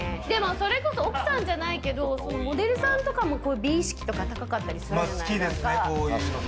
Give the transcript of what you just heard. それこそ奥さんじゃないけれども、モデルさんとかも美意識とか高かったりする。